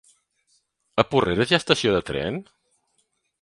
A Porreres hi ha estació de tren?